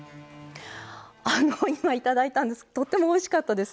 今いただいたんですけどとってもおいしかったです。